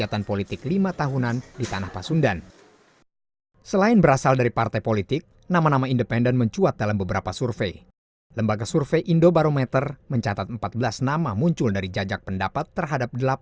tapi rasanya sih